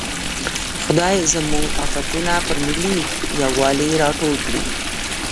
خدای زموږ افتونه پر ملي یوالي راټول کړي.